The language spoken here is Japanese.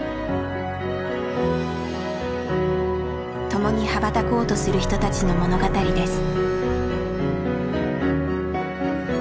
共に羽ばたこうとする人たちの物語です。